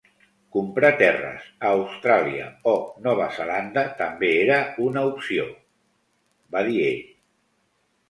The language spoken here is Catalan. "Comprar terres a Austràlia o Nova Zelanda també era una opció" va dir ell.